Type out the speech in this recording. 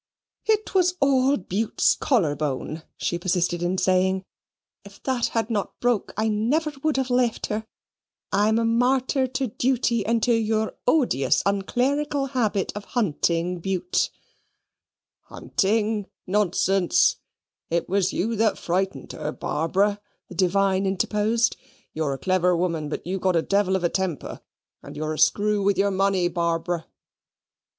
"It was all Bute's collar bone," she persisted in saying; "if that had not broke, I never would have left her. I am a martyr to duty and to your odious unclerical habit of hunting, Bute." "Hunting; nonsense! It was you that frightened her, Barbara," the divine interposed. "You're a clever woman, but you've got a devil of a temper; and you're a screw with your money, Barbara."